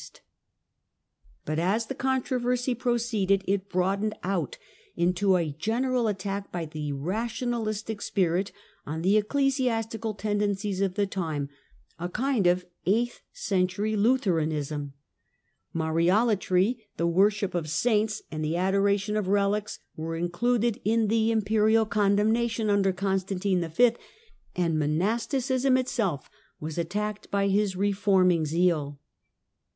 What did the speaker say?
138 THE DAWN OF MEDIEVAL EUROPE But as the controversy proceeded it broadened out into a general attack by the rationalistic spirit on the ecclesiastical tendencies of the time — a kind of eighth century Lutheranism. Mariolatry, the worship of saints and the adoration of relics were included in the Imperial condemnation under Constantine V., and mon asticism itself was attacked by his reforming zeal.